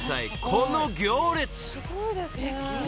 この行列］